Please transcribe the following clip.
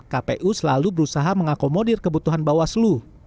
kpu selalu berusaha mengakomodir kebutuhan bawaslu